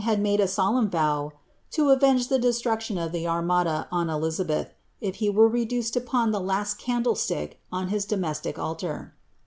had made a solemn tow "loaveaplta destruction of the Armada on ElizabElh, if he wen; reduced lo p>«a tlie last candlestick on his domestic altar."